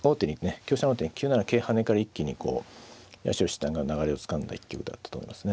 香車の王手に９七桂跳ねから一気にこう八代七段が流れをつかんだ一局だったと思いますね。